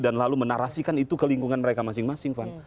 dan lalu menarasikan itu ke lingkungan mereka masing masing